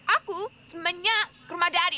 aku semennya ke rumah dari